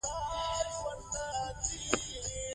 پېیر کوري د موادو د پرتله کولو راپور نه برابر کړ؟